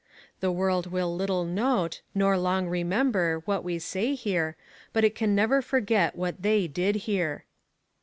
The world will little note, nor long remember, what we say here, but it can never forget what they did here.